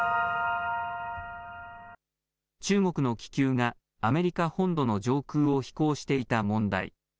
中国の気球がアメリカ本土の上空を飛行していた問題。